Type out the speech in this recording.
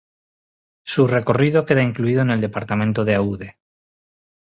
Su recorrido queda incluido en el departamento de Aude.